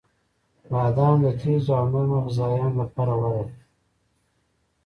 • بادام د تیزو او نرم غذایانو لپاره غوره دی.